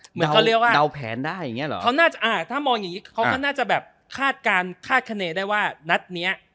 เดาแผนได้ถ้ามองอย่างงี้เขาน่าจะได้คาดคณะว่านักนี้